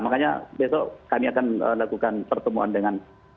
makanya besok kami akan lakukan pertemuan dengan